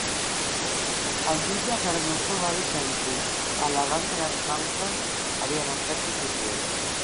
El jutge Cardozo va dissentir, al·legant que les pautes havien estat suficients.